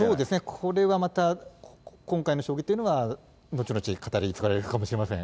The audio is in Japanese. これはまた、今回の将棋というのは、後々語り継がれるかもしれません。